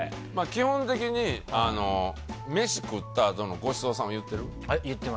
基本的に、飯食ったあとのごちそうさまは言ってる？